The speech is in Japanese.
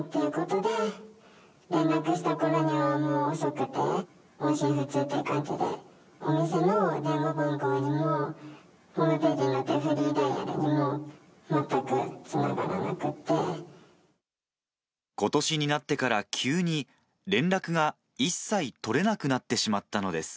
ことしになってから急に連絡が一切取れなくなってしまったのです。